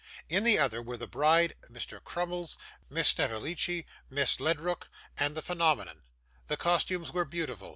In the other were the bride, Mr. Crummles, Miss Snevellicci, Miss Ledrook, and the phenomenon. The costumes were beautiful.